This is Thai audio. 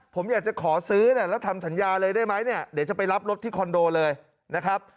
ผมอยากจะขอซื้อเนี่ยแล้วทำสัญญาเลยได้ไหมเนี่ยเดี๋ยวจะไปรับรถที่คอนโดเลยนะครับ